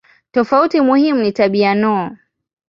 Tofauti muhimu ni tabia no.